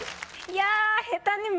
いや下手に。